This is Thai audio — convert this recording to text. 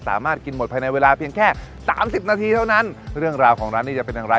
สามารถกินหมดภายในเวลาเพียงแค่สามสิบนาทีเท่านั้นเรื่องราวของร้านนี้จะเป็นอย่างไร